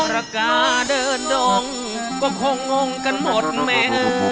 ระกาเดินดงก็คงงกันหมดแม่